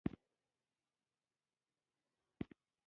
نور ډېر اصلاحات له ځان سره لرل.